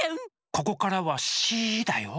ここからはシーだよ。